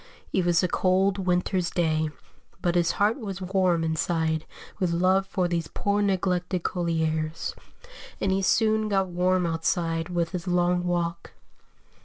It was a cold winter's day, but his heart was warm inside with love for these poor neglected colliers, and he soon got warm outside with his long walk.